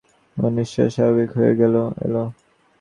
আমার নিঃশ্বাস স্বাভাবিক হয়ে এল।